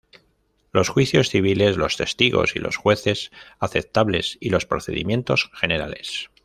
Los juicios civiles: los testigos y los jueces aceptables y los procedimientos generales.